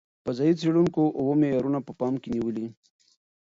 فضايي څېړونکو اوه معیارونه په پام کې نیولي.